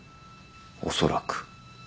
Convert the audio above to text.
おそらく。